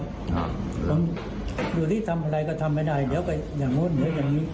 ผมอยู่ที่ทำอะไรก็ทำไม่ได้เดี๋ยวก็อย่างโง่เหนืออย่างงี้